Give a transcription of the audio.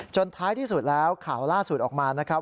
ท้ายที่สุดแล้วข่าวล่าสุดออกมานะครับ